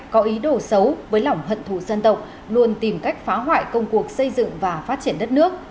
có ý đồ xấu với lòng hận thù dân tộc luôn tìm cách phá hoại công cuộc xây dựng và phát triển đất nước